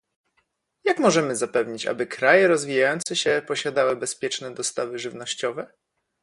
Jak możemy zapewnić, aby kraje rozwijające się posiadały bezpieczne dostawy żywnościowe?